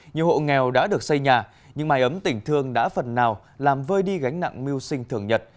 nhiều hộ nghèo đã được xây nhà nhưng mái ấm tỉnh thương đã phần nào làm vơi đi gánh nặng mưu sinh thường nhật